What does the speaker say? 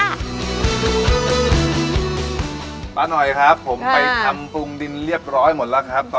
ป้าหน่อยครับผมไปทำปรุงดินเรียบร้อยหมดแล้วครับ